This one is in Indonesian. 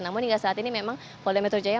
namun hingga saat ini memang polda metro jaya